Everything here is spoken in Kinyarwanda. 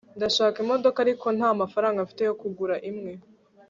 ndashaka imodoka, ariko ntamafaranga mfite yo kugura imwe